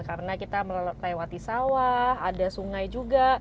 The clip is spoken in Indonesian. karena kita melewati sawah ada sungai juga